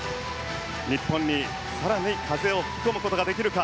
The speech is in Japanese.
日本に更に風を吹き込むことができるか。